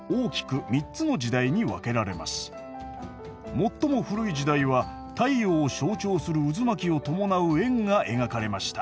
最も古い時代は太陽を象徴する渦巻きを伴う円が描かれました。